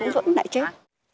vẫn lại chết